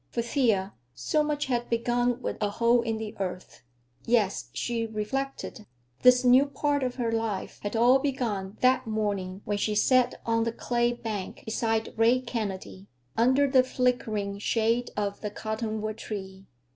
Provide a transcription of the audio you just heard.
For Thea, so much had begun with a hole in the earth. Yes, she reflected, this new part of her life had all begun that morning when she sat on the clay bank beside Ray Kennedy, under the flickering shade of the cottonwood tree.